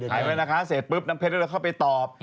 ถ่ายไว้นะคะเสร็จปุ๊บน้ำเพชรก็เลยเข้าไปตอบ